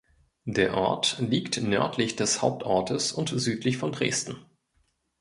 Der Ort liegt nördlich des Hauptortes und südlich von Dresden.